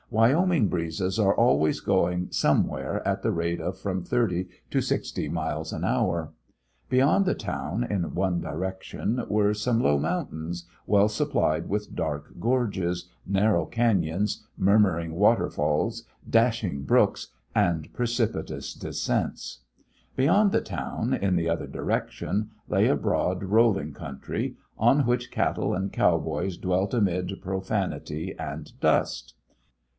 Wyoming breezes are always going somewhere at the rate of from thirty to sixty miles an hour. Beyond the town, in one direction, were some low mountains, well supplied with dark gorges, narrow canons, murmuring water falls, dashing brooks, and precipitous descents. Beyond the town, in the other direction, lay a broad, rolling country, on which cattle and cowboys dwelt amid profanity and dust.